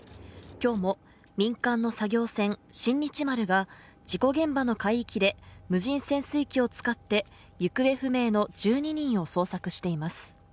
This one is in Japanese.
今日も民間の作業船「新日丸」が事故現場の海域で無人潜水機を使って行方不明の１２人を捜索しています